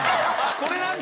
これなんだ？